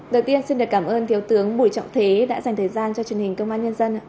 đầu tiên xin được cảm ơn thiếu tướng bùi trọng thế đã dành thời gian cho truyền hình công an nhân dân